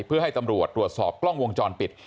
เพื่อให้ตำรวจตรวจสอบกล้องวงจรปิด